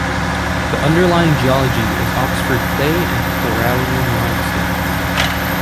The underlying geology is Oxford clay and Corallian limestone.